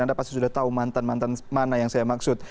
anda pasti sudah tahu mantan mantan mana yang saya maksud